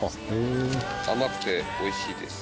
甘くて美味しいです。